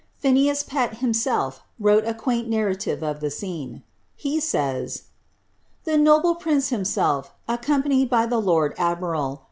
Pbincas Pett himself wrote a quaint narrative of the «i He says : "The noble prince himself, accompanied bv the lord adminl.